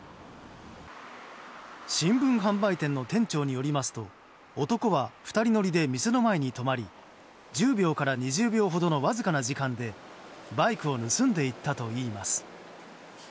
新聞販売店の店長によりますと男は２人乗りで店の前に止まり１０秒から２０秒ほどのわずかな時間でバイクを盗んでいったといいます。